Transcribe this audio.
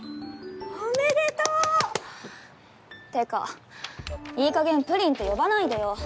おめでとう！ってかいいかげん「ぷりん」って呼ばないでよ。